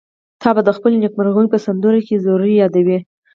تا به د خپلو نېکمرغيو په سندرو کې ضرور يادوي.